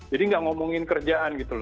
jadi nggak ngomongin kerjaan gitu